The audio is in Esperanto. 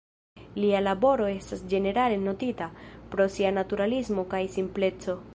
Lia laboro estas ĝenerale notita pro sia naturalismo kaj simpleco.